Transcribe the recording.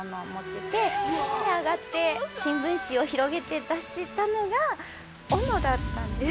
新聞紙を広げて出したのが斧だったんです。